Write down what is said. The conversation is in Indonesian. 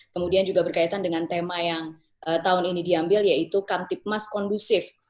kemudian juga berkaitan dengan tema yang tahun ini diambil yaitu kamtipmas kondusif